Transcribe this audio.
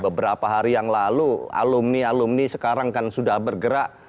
beberapa hari yang lalu alumni alumni sekarang kan sudah bergerak